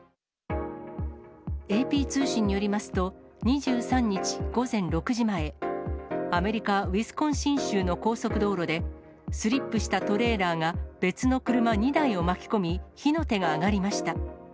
ＡＰ通信によりますと、２３日午前６時前、アメリカ・ウィスコンシン州の高速道路で、スリップしたトレーラーが別の車２台を巻き込み、火の手が上がりました。